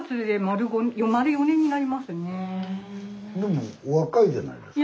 でもお若いじゃないですか。